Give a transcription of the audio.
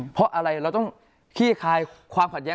เพราะอะไรเราต้องขี้คายความขัดแย้